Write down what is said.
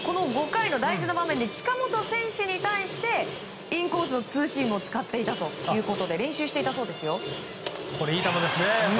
５回の大事な場面で近本選手に対してインコースのツーシームを使っていたということで練習していたようですね。